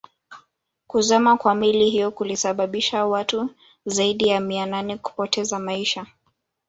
Kuzama kwa meli hiyo kulisababisha watu zaidi ya mia nane kupoteza maisha